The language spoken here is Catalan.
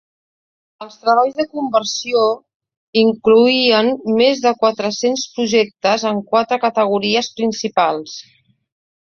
Els treballs de conversió incloïen més de quatre-cents projectes en quatre categories principals.